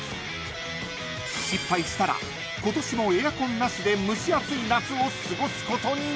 ［失敗したら今年もエアコンなしで蒸し暑い夏を過ごすことになる］